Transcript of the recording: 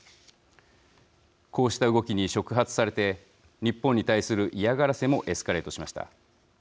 こうした動きに触発されて日本に対する嫌がらせもエスカレートしました。